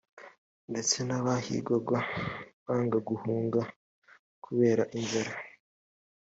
ndetse n abahigwaga banga guhunga kubera inzara